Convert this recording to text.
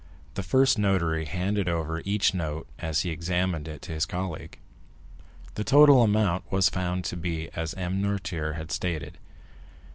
The first notary handed over each note, as he examined it, to his colleague. The total amount was found to be as M. Noirtier had stated.